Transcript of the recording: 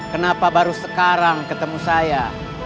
kenapa baru sekarang ketemu saya